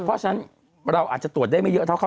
เพราะฉะนั้นเราอาจจะตรวจได้ไม่เยอะเท่าเขา